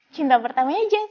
cinta pertamanya jess